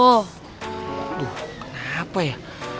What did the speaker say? aduh kenapa ya